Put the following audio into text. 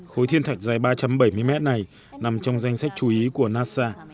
khối thiên thạch dài ba trăm bảy mươi mét này nằm trong danh sách chú ý của nasa